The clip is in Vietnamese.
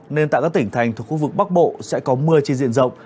nên tại các tỉnh thành thuộc khu vực bắc bộ sẽ có mưa trên diện rộng